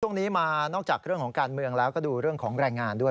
ช่วงนี้มานอกจากเรื่องของการเมืองแล้วก็ดูเรื่องของแรงงานด้วย